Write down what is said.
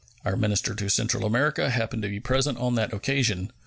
Our minister to Central America happened to be present on that occasion.